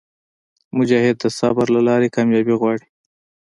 مجاهد د صبر له لارې کاميابي غواړي.